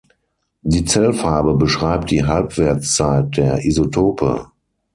Die Zellfarbe beschreibt die Halbwertszeit der Isotope.